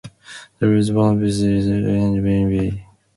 The reasons hobbyists scratchbuild may vary.